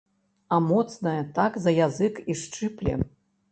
А моцная, так за язык і шчыпле.